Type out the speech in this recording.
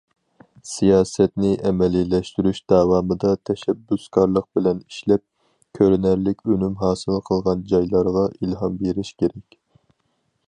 سىياسەتنى ئەمەلىيلەشتۈرۈش داۋامىدا تەشەببۇسكارلىق بىلەن ئىشلەپ، كۆرۈنەرلىك ئۈنۈم ھاسىل قىلغان جايلارغا ئىلھام بېرىش كېرەك.